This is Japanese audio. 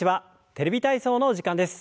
「テレビ体操」の時間です。